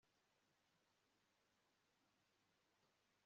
Isi iraguriza bundi bushya